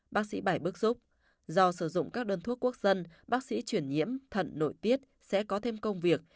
bác sĩ bảy bức xúc do sử dụng các đơn thuốc quốc dân bác sĩ chuyển nhiễm thận nội tiết sẽ có thêm công việc